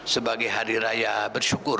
sebagai hari raya bersyukur